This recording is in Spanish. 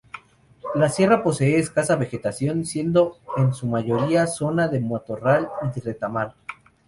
La sierra posee escasa vegetación, siendo en su mayoría zona de matorral y retamar.